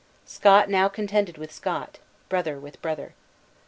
Scot now contended with Scot, brother with brother.